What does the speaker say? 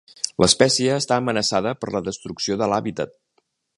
L'espècie està amenaçada per la destrucció de l'hàbitat.